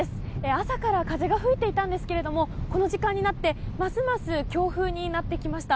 朝から風が吹いていたんですがこの時間になってますます強風になってきました。